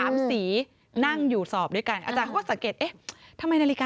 มันคิดหรือเปล่า